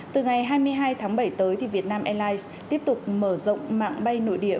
từ ngày hai mươi hai tháng bảy tới việt nam airlines tiếp tục mở rộng mạng bay nội địa